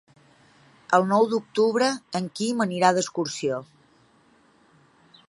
El nou d'octubre en Quim anirà d'excursió.